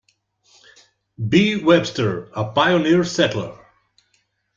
B. Webster, a pioneer settler.